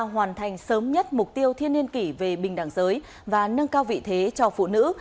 hoàn thành sớm nhất mục tiêu thiên niên kỷ về bình đẳng giới và nâng cao vị thế cho phụ nữ